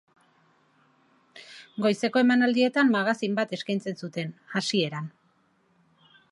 Goizeko emanaldietan magazin bat eskaintzen zuten, hasieran.